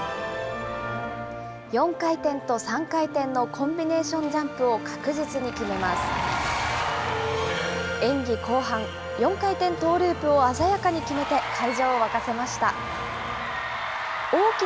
４回転と３回転のコンビネーションジャンプを確実に決めます。